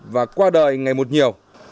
và qua đời ngày một nhiều